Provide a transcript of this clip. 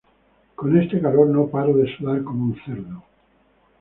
Con este calor no paro de sudar como un cerdo